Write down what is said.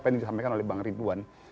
apa yang disampaikan oleh bang ridwan